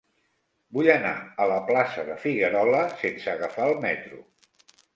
Vull anar a la plaça de Figuerola sense agafar el metro.